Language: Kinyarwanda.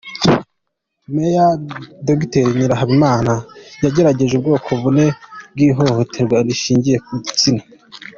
Meya Dr Nyirahabimana yagaragaje ubwoko bune bw’ ihohoterwa rishingiye ku gitsina.